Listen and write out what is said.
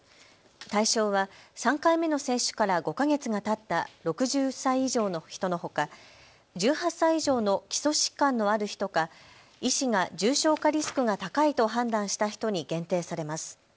対象は３回目の接種から５か月がたった６０歳以上の人のほか１８歳以上の基礎疾患のある人か、医師が重症化リスクが高いと判断した人に限定されます。